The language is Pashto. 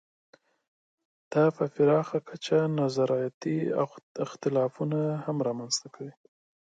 دا په پراخه کچه نا رضایتۍ او اختلافونه هم رامنځته کوي.